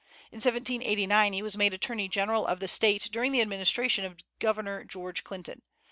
In 1789 he was made Attorney General of the State during the administration of Governor George Clinton.